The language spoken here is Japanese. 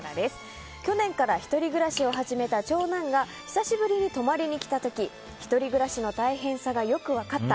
去年から１人暮らしを始めた長男が久しぶりに泊まりに来た時１人暮らしの大変さがよく分かった。